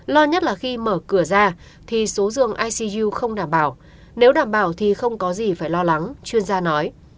lo nhất là khi mở cửa ra thì số dường icu không đảm bảo nếu đảm bảo thì không có gì phải lo lắng chuyên gia nói